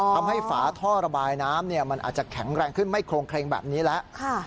ฝาท่อระบายน้ำมันอาจจะแข็งแรงขึ้นไม่โครงเครงแบบนี้แล้ว